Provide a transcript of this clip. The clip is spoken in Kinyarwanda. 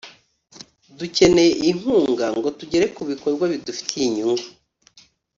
Dukeneye inkunga ngo tugere ku bikorwa bidufitiye inyungu